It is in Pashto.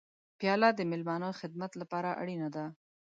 پیاله د میلمانه خدمت لپاره اړینه ده.